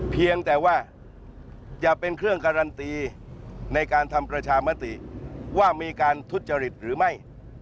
เพียงแต่ว่าจะเป็นเครื่องการันตีในการทำประชามติว่ามีการทุจริตหรือไม่